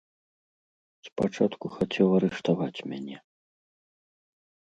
Спачатку хацеў арыштаваць мяне.